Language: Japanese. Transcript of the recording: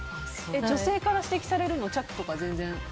女性から指摘されるのチャックとか、全然？